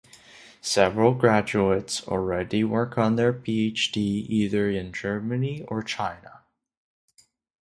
Several graduates already work on their PhD either in Germany or China.